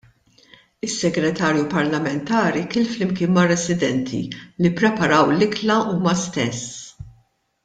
Is-Segretarju Parlamentari kiel flimkien mar-residenti li ppreparaw l-ikla huma stess.